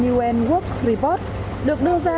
un world report được đưa ra